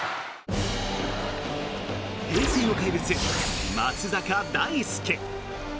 平成の怪物、松坂大輔。